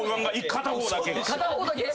片方だけ！？